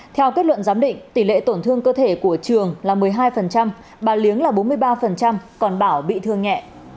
theo kết luận giám định tỷ lệ tổn thương cơ thể của trường là một mươi hai bà liếng là bốn mươi ba còn bảo bị thương nhẹ